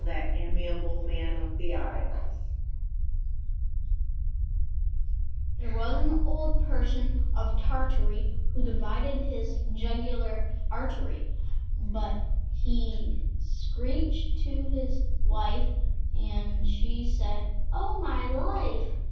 There was an Old Person of Tartary, Who divided his jugular artery; But he screeched to his Wife, and she said, "Oh, my life!